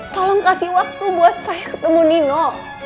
tolong kasih waktu buat saya ketemu nino